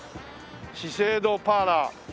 資生堂パーラー。